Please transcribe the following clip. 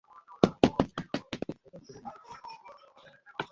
ওটা সরিয়ে নিতে পারবে।